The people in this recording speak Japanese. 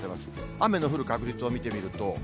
雨の降る確率を見てみると。